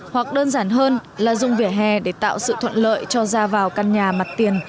hoặc đơn giản hơn là dùng vỉa hè để tạo sự thuận lợi cho ra vào căn nhà mặt tiền